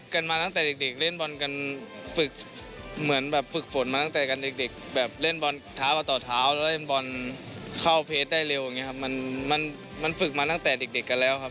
ใช้ได้อย่างถูกวิธีหรือเปล่า